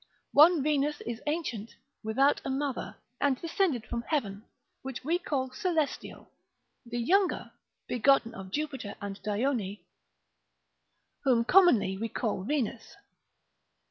One Venus is ancient without a mother, and descended from heaven, whom we call celestial; the younger, begotten of Jupiter and Dione, whom commonly we call Venus.